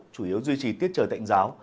chủ yếu duy trì tiết trời tạnh giáo